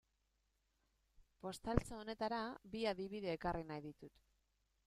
Postaltxo honetara bi adibide ekarri nahi ditut.